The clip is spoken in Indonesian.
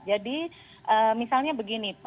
jadi misalnya begini